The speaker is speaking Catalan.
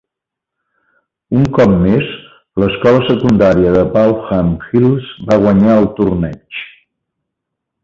Un cop més, l'escola secundària de Baulkham Hills va guanyar el torneig.